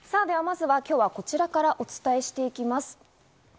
ではまずこちらからお伝えしていきます。